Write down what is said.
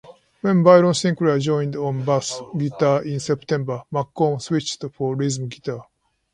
When Byron Sinclair joined on bass guitar in September, McComb switched to rhythm guitar.